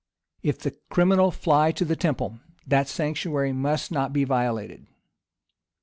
If the criminal fly to the temple, that sanctuary must not be violated.